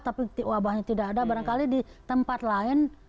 tapi wabahnya tidak ada barangkali di tempat lain